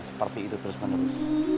seperti itu terus menerus